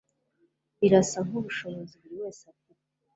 Birasa nkubushobozi buri wese afite.